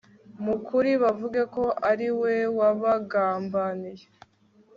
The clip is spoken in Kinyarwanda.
mu kuri bavuge ko ari we wabagambaniye